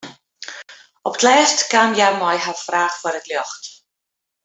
Op 't lêst kaam hja mei har fraach foar it ljocht.